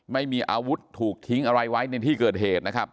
ไม่มีอาวุธถูกทิ้งอะไรไว้ในที่เกิดเหตุนะครับ